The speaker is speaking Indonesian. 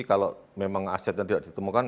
kalau memang asetnya tidak ditemukan